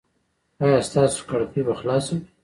ایا ستاسو کړکۍ به خلاصه وي؟